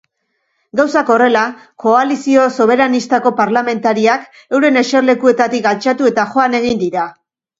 Gauzak horrela, koalizio soberanistako parlamentariak euren eserlekuetatik altxatu eta joan egin dira.